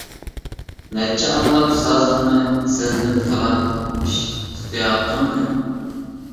نەچچە ئاڭلاپ سازىڭنى، سەزدىم تالانت، ئىشتىياقىڭنى.